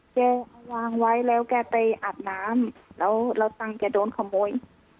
แกวางไว้แล้วแกไปอาดน้ำแล้วเราตั้งแกโดนขโมย